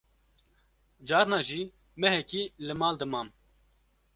carna jî mehekî li mal dimam